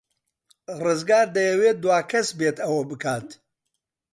ڕزگار دەیەوێت دوا کەس بێت ئەوە بکات.